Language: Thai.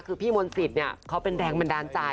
คือพี่มนตรีเนี่ยเขาเป็นแรงบันดาลใจ